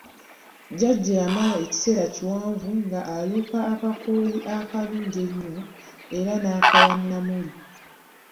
Jjaja we yamala ekiseera kiwanvu nga aluka akakooyi akalungi ennyo era n'akawa Namuli.